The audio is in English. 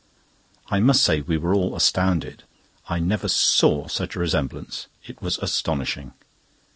I must say we were all astounded. I never saw such a resemblance. It was astonishing.